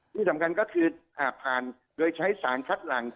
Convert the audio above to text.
ที่สำคัญก็คือหากผ่านโดยใช้สารคัดหลัง